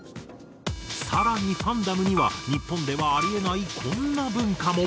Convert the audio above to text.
更にファンダムには日本ではあり得ないこんな文化も。